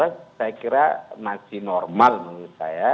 saya kira masih normal menurut saya